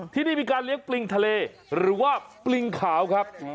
ที่นี่มีการเลี้ยงปริงทะเลหรือว่าปริงขาวครับ